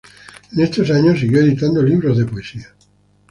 En estos años siguió editando libros de poesía.